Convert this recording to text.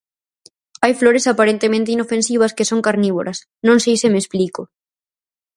Hai flores aparentemente inofensivas que son carnívoras, non sei se me explico.